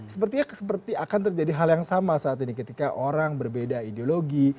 sepertinya akan terjadi hal yang sama saat ini ketika orang berbeda ideologi